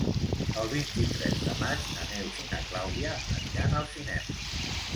El vint-i-tres de maig na Neus i na Clàudia aniran al cinema.